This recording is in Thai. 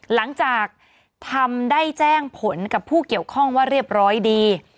หลังจากทำได้แจ้งผลกับผู้เกี่ยวข้องว่าเรียบร้อยดี